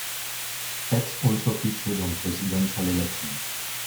Pets also featured on presidential elections.